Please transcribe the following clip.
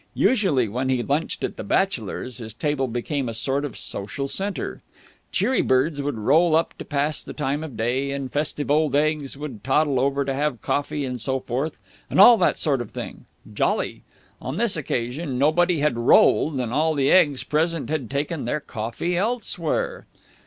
Usually, when he lunched at the Bachelors, his table became a sort of social centre. Cheery birds would roll up to pass the time of day, and festive old eggs would toddle over to have coffee and so forth, and all that sort of thing. Jolly! On this occasion nobody had rolled, and all the eggs present had taken their coffee elsewhere.